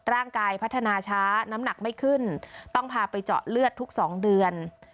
ร่างกายพัฒนาช้าน้ำหนักไม่ขึ้นต้องพาไปเจาะเลือดทุก๒เดือน